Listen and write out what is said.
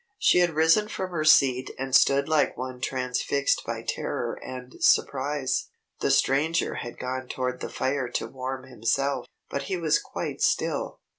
She had risen from her seat and stood like one transfixed by terror and surprise. The Stranger had gone toward the fire to warm himself, but he was quite still.